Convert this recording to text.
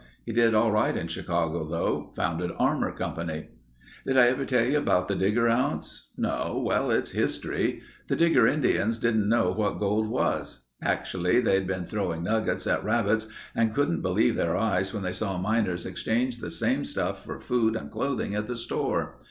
He did all right in Chicago though. Founded Armour Company. "Did I ever tell you about the Digger Ounce? No? Well, it's history. The Digger Indians didn't know what gold was. Actually they'd been throwing nuggets at rabbits and couldn't believe their eyes when they saw miners exchange the same stuff for food and clothing at the store.